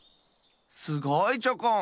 すごいチョコン。